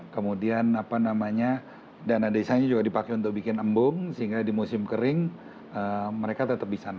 kemudian apa namanya dana desanya juga dipakai untuk bikin embung sehingga di musim kering mereka tetap bisa naik